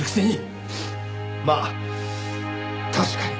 まあ確かに！